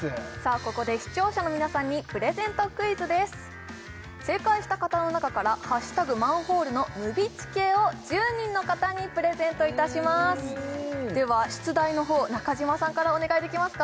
ここで視聴者の皆さんにプレゼントクイズです正解した方の中から「＃マンホール」のムビチケを１０人の方にプレゼントいたしますでは出題の方中島さんからお願いできますか？